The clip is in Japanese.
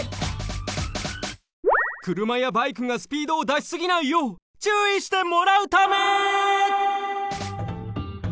くるまやバイクがスピードをだしすぎないよう注意してもらうため！